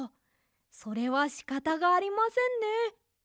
それはしかたがありませんね。